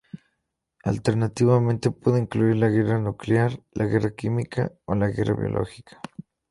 Alternativamente puede incluir la guerra nuclear, la guerra química o la guerra biológica.